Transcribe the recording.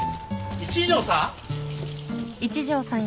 一条さん。